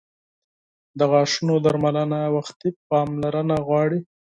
• د غاښونو درملنه وختي پاملرنه غواړي.